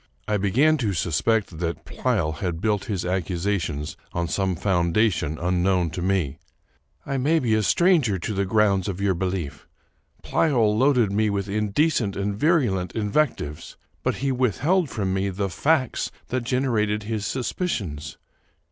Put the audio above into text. I began to suspect that Pleyel had built his accusations on some foundation unknown to me. '' 1 may be a stranger to the grounds of your belief. Pleyel loaded me with in decent and virulent invectives, but he withheld from me the facts that generated his suspicions.